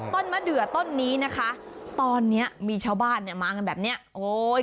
ต้นมะเดือต้นนี้นะคะตอนเนี้ยมีชาวบ้านเนี่ยมากันแบบเนี้ยโอ้ย